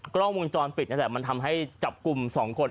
พอปั๊มปิดนี่แหละมันทำให้จับกลุ่มสองคน